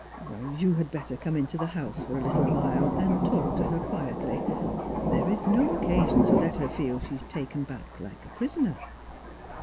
" You had better come into the house for a little while and talk to her quietly. There ia no occasion to let her feel she is taken back like a prisoner."